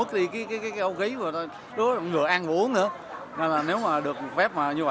chi phí cho khoảng tám m hai mỗi tháng